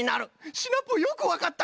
シナプーよくわかった！